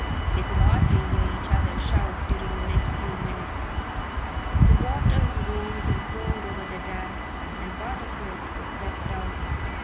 They could hardly hear each other shout during the next few minutes. The waters rose and poured over the dam, and part of it was swept out.